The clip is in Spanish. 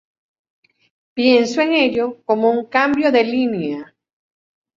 Pienso en ello como un cambio de línea.